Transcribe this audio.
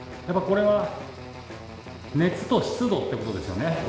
やっぱこれは熱と湿度ってことですよね。